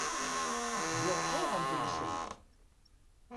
Ziɣ truḥeḍ deg-sent!